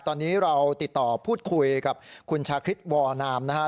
ตอนนี้เราติดต่อพูดคุยกับคุณชาคริสวนามนะฮะ